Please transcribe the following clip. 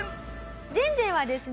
ジェンジェンはですね